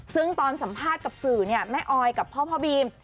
ซึ่งตอนสัมภาษณ์กับสื่อเนี่ยแม่ออยกับพ่อพ่อบีม